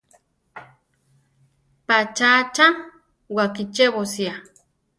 Patzá achá wakichébosia.